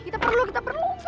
kita perlu kita perlu